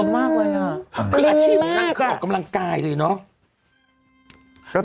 ไม่โง่ตัวเล็กมากตัวเล็กอะ